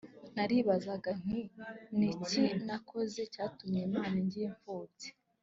naribazaga nti ni iki nakoze cyatumye imana ingira imfubyi